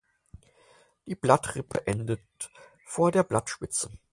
Die Blattrippe endet vor der Blattspitze.